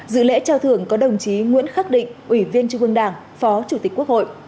dự lễ trao thưởng có đồng chí nguyễn khắc định ủy viên trung ương đảng phó chủ tịch quốc hội